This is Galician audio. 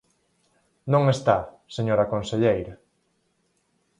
Non está, señora conselleira.